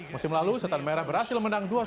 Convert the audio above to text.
musim lalu setan merah berhasil menang dua satu